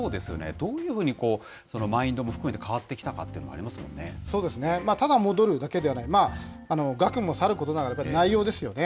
どういうふうにマインドも含めて、変わってきたかっていうの、ありただ戻るだけではない、額もさることながら、内容ですよね。